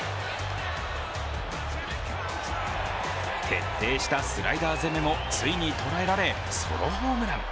徹底したスライダー攻めもついに捉えられソロホームラン。